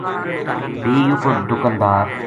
بھی یوہ دکاندار